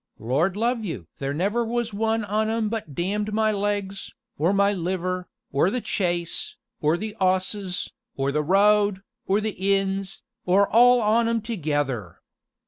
Lord love you! there never was one on 'em but damned my legs, or my liver, or the chaise, or the 'osses, or the road, or the inns, or all on 'em together.